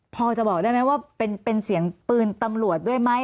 พอจะบอกได้ไหมว่าเป็นเสียงปืนตำรวจด้วยไหม